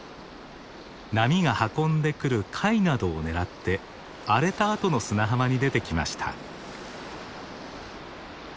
波が運んでくる貝などを狙って荒れたあとの砂浜に出てきました。